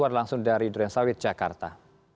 langsung dari durensawit jakarta